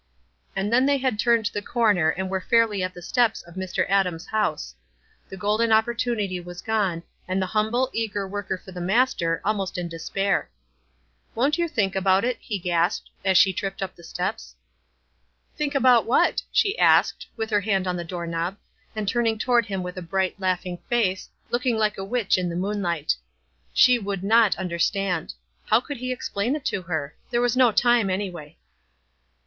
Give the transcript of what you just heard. And then the}' had turned the corner and were fairly at the steps of Mr. Adams' house. The golden opportunity was gone, and the humble, eager worker for the Master, almost in despair. "Won't you think about it?" he gasped, as she tripped up the steps. 100 WISE AND OTHERWISE. "Think about what?" she asked, with her hand on the door knob, and turning toward hira with a bright, laughing face, looking like a witch in the moonlight. She luoidd not understand. How could he explain it to her? There was no time, anyway.